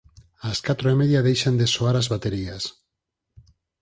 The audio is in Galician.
Ás catro e media deixan de soar as baterías.